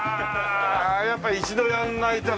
やっぱ一度やらないとダメ。